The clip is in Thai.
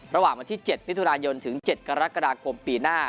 ระหว่างวันที่๗มิถุนายนถึง๗กรกฎาคมปีหน้า